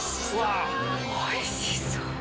おいしそう！